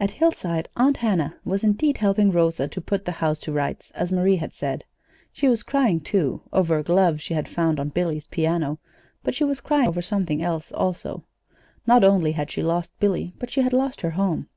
At Hillside, Aunt Hannah was, indeed, helping Rosa to put the house to rights, as Marie had said. She was crying, too, over a glove she had found on Billy's piano; but she was crying over something else, also. Not only had she lost Billy, but she had lost her home.